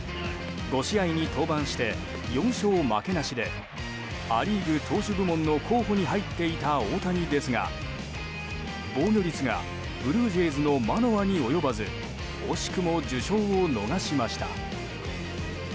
５試合に登板して４勝負けなしでア・リーグ投手部門の候補に入っていた大谷ですが防御率がブルージェイズのマノアに及ばず惜しくも受賞を逃しました。